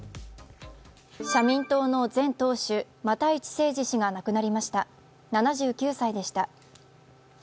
社民党の前党首又市征治氏が亡くなりました、７９歳でした。